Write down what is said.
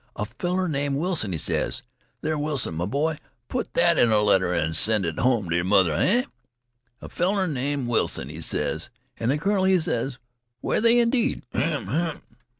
'A feller named Wilson,' he ses. There, Wilson, m'boy, put that in a letter an' send it hum t' yer mother, hay? 'A feller named Wilson,' he ses. An' th' colonel, he ses: 'Were they, indeed?